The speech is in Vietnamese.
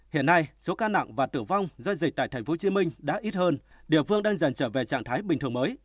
hiện nay số ca nặng và tử vong do dịch tại thành phố hồ chí minh đã ít hơn địa phương đang dần trở về trạng thái bình thường mới